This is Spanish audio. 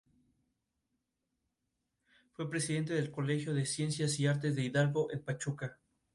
Fue presidente del Colegio de Ciencias y Artes de Hidalgo, en Pachuca.